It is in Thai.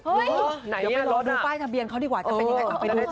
เห้ยเดี๋ยวไปดูแป้ทะเบียนเขาดีกว่าจะเป็นอย่างไรเอาไปดูค่ะ